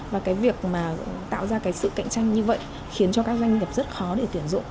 và cái việc mà tạo ra cái sự cạnh tranh như vậy khiến cho các doanh nghiệp rất khó để tuyển dụng